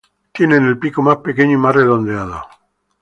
Tienen el pico más pequeño y más redondeado.